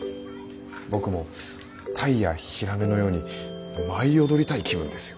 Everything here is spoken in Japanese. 僕もタイやヒラメのように舞い踊りたい気分ですよ。